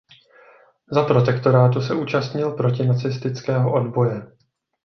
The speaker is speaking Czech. Za protektorátu se účastnil protinacistického odboje.